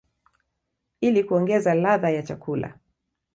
ili kuongeza ladha ya chakula.